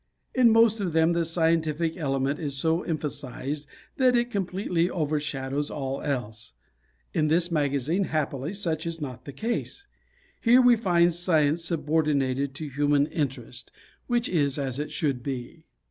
In most of them the scientific element is so emphasized that it completely overshadows all else. In this magazine, happily, such is not the case. Here we find science subordinated to human interest, which is as it should be.